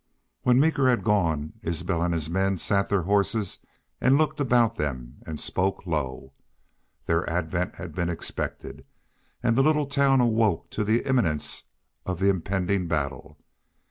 When Meeker had gone, Isbel and his men sat their horses and looked about them and spoke low. Their advent had been expected, and the little town awoke to the imminence of the impending battle.